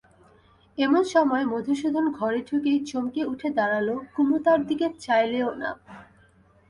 এমন সময়ে মধুসূদন ঘরে ঢুকেই চমকে উঠে দাঁড়াল– কুমু তার দিকে চাইলেও না।